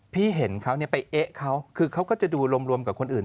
พี่เห็นเขาไปเอ๊ะเขาคือเขาก็จะดูรวมกับคนอื่น